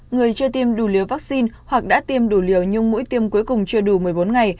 người chưa tiêm đủ liều vaccine hoặc đã tiêm đủ liều nhưng mũi tiêm cuối cùng chưa đủ một mươi bốn ngày